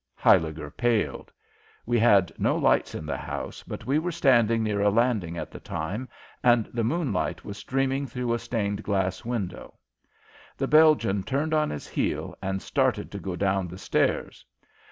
Huyliger paled. We had no lights in the house, but we were standing near a landing at the time and the moonlight was streaming through a stained glass window. The Belgian turned on his heel and started to go down the stairs.